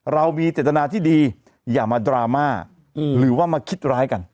เรามีเจตนาที่ดีอย่ามาดราม่าหรือว่ามาคิดร้ายกัน